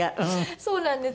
そうなんですよ。